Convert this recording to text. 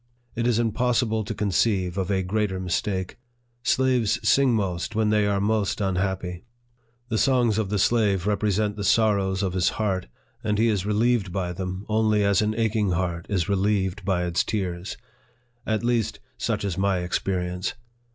It is impossible to conceive of a great er mistake. Slaves sing most when they are most un happy. The songs of the slave represent the sorrows of his heart ; and he is relieved by them, only as an aching heart is relieved by its tears. At least, such is my experience.